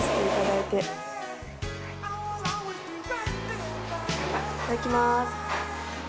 いただきます。